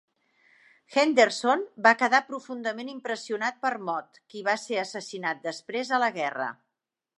Henderson va quedar profundament impressionat per Mott, qui va ser assassinat després a la guerra.